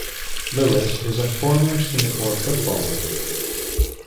Lewis is a former Singapore footballer.